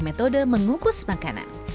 metode mengukus makanan